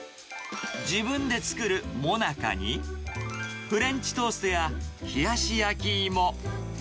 自分で作るもなかに、フレンチトーストや冷やし焼き芋。